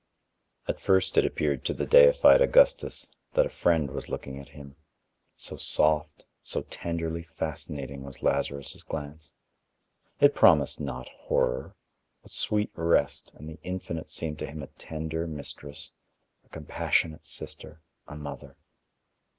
At first it appeared to the deified Augustus that a friend was looking at him, so soft, so tenderly fascinating was Lazarus' glance. It promised not horror, but sweet rest and the Infinite seemed to him a tender mistress, a compassionate sister, a mother.